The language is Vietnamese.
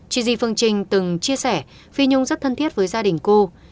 chizy phương trinh từng chia sẻ phi nhung rất thân thiết với gia đình cô